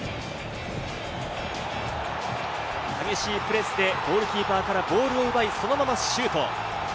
激しいプレスでゴールキーパーからボールを奪い、そのままシュート。